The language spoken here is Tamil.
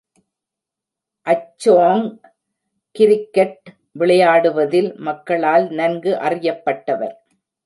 அச்சோங், கிரிக்கெட் விளையாடுவதில் மக்களால் நன்கு அறியப்பட்டவர்.